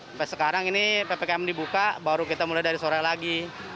sampai sekarang ini ppkm dibuka baru kita mulai dari sore lagi